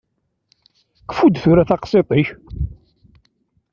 Kfu-d tura taqsiṭ-ik!